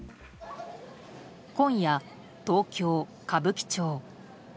今夜、東京・歌舞伎町。